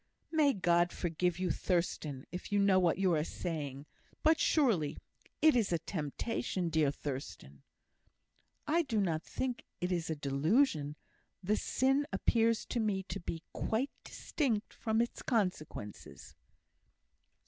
"May God forgive you, Thurstan! if you know what you are saying. But, surely, it is a temptation, dear Thurstan." "I do not think it is a delusion. The sin appears to me to be quite distinct from its consequences."